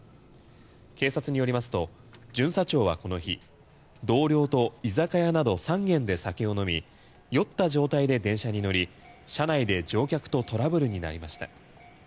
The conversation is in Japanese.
警察によりますと巡査長はこの日同僚と居酒屋など３軒で酒を飲み酔った状態で電車に乗り、車内で乗客とトラブルになりました。